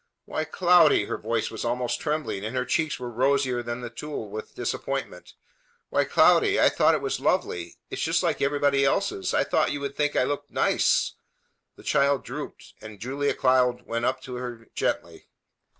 "Why, Cloudy!" Her voice was almost trembling, and her cheeks were rosier than the tulle with disappointment. "Why, Cloudy, I thought it was lovely! It's just like everybody's else. I thought you would think I looked nice!" The child drooped, and Julia Cloud went up to her gently.